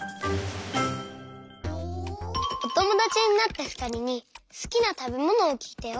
おともだちになったふたりにすきなたべものをきいたよ。